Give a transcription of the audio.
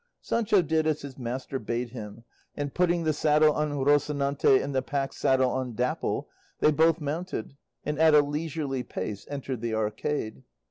Sancho did as his master bade him, and putting the saddle on Rocinante and the pack saddle on Dapple, they both mounted and at a leisurely pace entered the arcade.